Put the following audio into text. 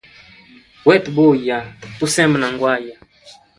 Wetu buya tusembe na ngwaya.